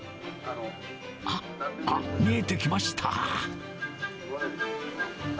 あっ、見えてきました。